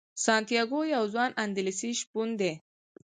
سانتیاګو یو ځوان اندلسي شپون دی.